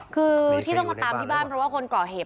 คือที่ต้องมาตามที่บ้านเพราะว่าคนก่อเหตุ